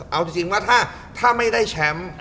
เอาจริงว่าถ้าไม่ได้แชมป์